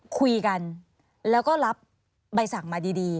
คุยกันแล้วก็รับใบสั่งมาดี